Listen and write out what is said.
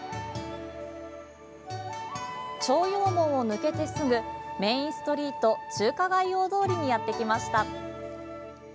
朝陽門を抜けてすぐメインストリート中華街大通りにやってきました。